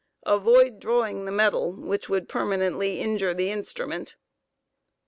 Av.oid draw j ing the metal, which would permanently injure the instrument.